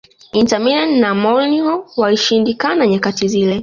Inter Milan na Mourinho walishindikana nyakati zile